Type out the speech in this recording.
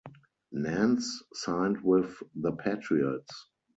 Nance signed with the Patriots.